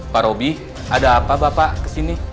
pak roby ada apa bapak kesini